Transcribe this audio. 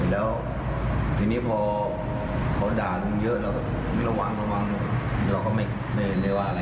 แล้วทีนี้พอเขาด่าลุงเยอะแล้วก็ไม่ระวังระวังเราก็ไม่เห็นเลยว่าอะไร